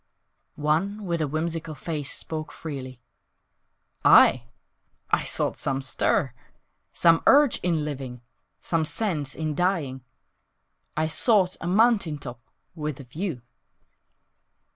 One with a whimsical face spoke freely; "I? I sought some stir, Some urge in living, Some sense in dying. I sought a mountain top With a view!"